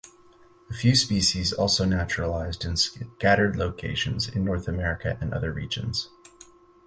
A few species also naturalized in scattered locations in North America and other regions.